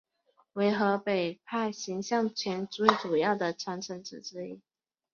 为河北派形意拳最主要的传承者之一。